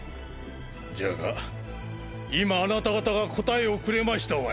じゃが今あなた方が答えをくれましたわい。